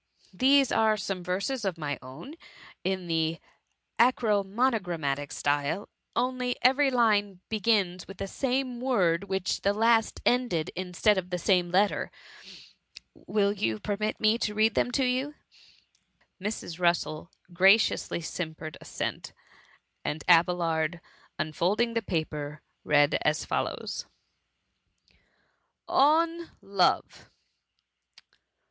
These are some verses of my own, in the acromonogrammatic THE mummy; IW style, only every line begins with the 6attie word with which the last ended, instead of the same letter. Will you permit me to read them to you ?" Mrs. Russel graciously simpered assent, and Abelard, unfolding the paper, read as follows :— ON LOVE.